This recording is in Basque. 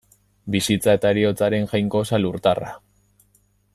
Bizitza eta heriotzaren jainkosa lurtarra.